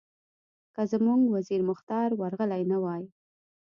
که زموږ وزیر مختار ورغلی نه وای.